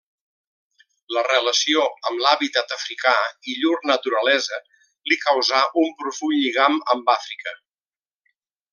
La relació amb l'hàbitat africà i llur naturalesa li causà un profund lligam amb Àfrica.